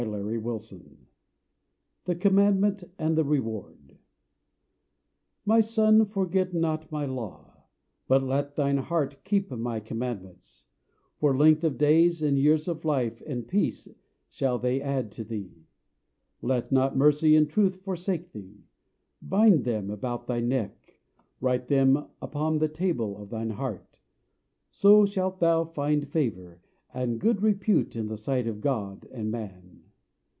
James Thomson THE COMMANDMENT AND THE REWARD My son, forget not my law; But let thine heart keep my commandments: For length of days, and years of life, And peace, shall they add to thee. Let not mercy and truth forsake thee: Bind them about thy neck; Write them upon the table of thine heart: So shalt thou find favour, And good repute in the sight of God and man.